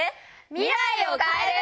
未来を変える。